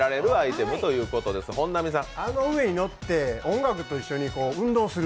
あの上に乗って、音楽と一緒に運動する？